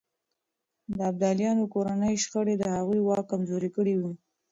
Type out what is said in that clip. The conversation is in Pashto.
د ابدالیانو کورنۍ شخړې د هغوی واک کمزوری کړی و.